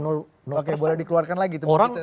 oke boleh dikeluarkan lagi